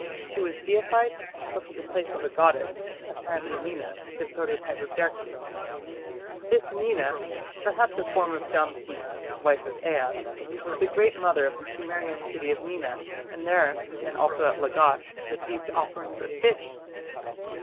She was deified and took the place of a goddess, apparently Nina, the prototype of Derceto. This Nina, perhaps a form of Damkina, wife of Ea, was the great mother of the Sumerian city of Nina, and there, and also at Lagash, received offerings of fish.